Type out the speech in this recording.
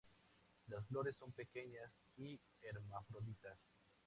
Las flores son pequeñas, hermafroditas.